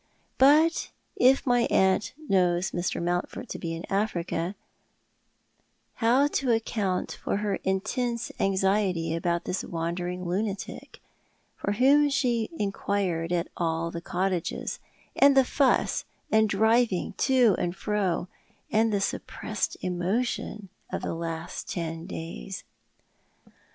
But if my aunt knows Mr. Mountford to be in Africa, how account for her intense anxiety about this wandering lunatic, for whom she inquired at all the cottages, and the fuss and driving to and fro, and the suppressed emotion of the last ten days